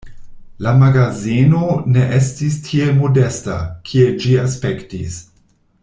La magazeno ne estis tiel modesta, kiel ĝi aspektis.